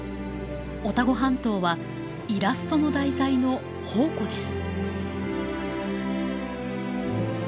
オタゴ半島はイラストの題材の宝庫です。